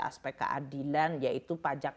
aspek keadilan yaitu pajak